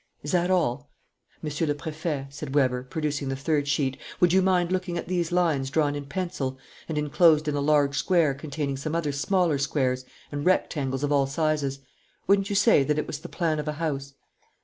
Is that all?" "Monsieur le Préfet," said Weber, producing the third sheet, "would you mind looking at these lines drawn in pencil and enclosed in a large square containing some other smaller squares and rectangles of all sizes? Wouldn't you say that it was the plan of a house?"